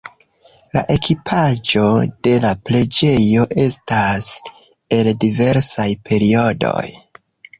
La ekipaĵo de la preĝejo estas el diversaj periodoj.